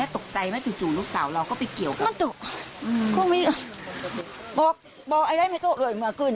ตุ๊กใจครับว่าใหม่ตุ๊กสาวเรามีเกี่ยวกับทุกคน